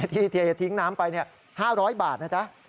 ที่เททิ้งน้ำไป๕๐๐บาทนะจ๊ะ